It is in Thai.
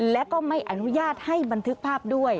และก็ไม่อนุญาตให้บันทึกภาพด้วย